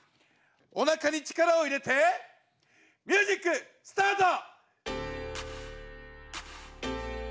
おなかに力を入れてミュージックスタート！